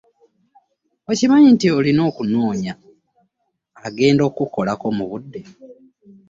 Okimanyi nti olina okunonya agenda okukukolako mu budde.